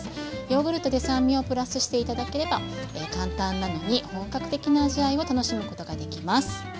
ヨーグルトで酸味をプラスして頂ければ簡単なのに本格的な味わいを楽しむことができます。